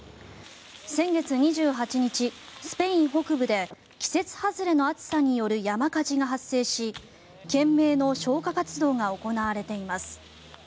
先月２８日、スペイン北部で季節外れの暑さによる山火事が発生し懸命の消火活動が行われています。